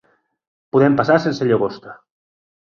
Podem passar sense llagosta.